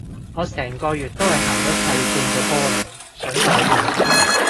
我成個月都係行咗細半個波蘭，想再去